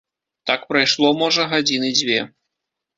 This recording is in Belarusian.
Так прайшло, можа, гадзіны дзве.